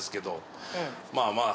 まあまあ。